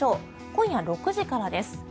今夜６時からです。